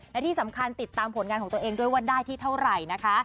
และที่สำคัญติดตามผลงานของตัวเองด้วยว่าได้ที่เท่าไหร่นะคะ